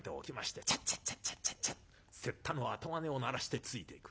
せったの後金を鳴らしてついていく。